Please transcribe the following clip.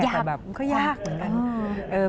แต่แบบมันก็ยากเหมือนกัน